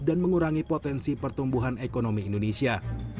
dan mengurangi potensi pertumbuhan ekonomi indonesia